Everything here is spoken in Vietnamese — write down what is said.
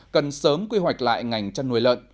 cần sớm quy hoạch lại ngành chăn nuôi lợn